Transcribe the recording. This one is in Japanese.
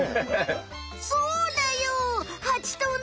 そうだよ！